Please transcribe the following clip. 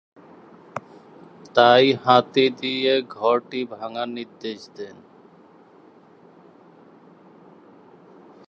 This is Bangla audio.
তাই হাতি দিয়ে ঘরটি ভাঙ্গার নির্দেশ দেন।